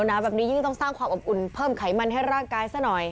หนาวแบบนี้ยิ่งต้องสร้างความอบอุ่นเพิ่มไขมันให้ร่างกายซะหน่อย